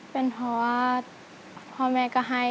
เป็นเพราะว่าพ่อแม่ก็ให้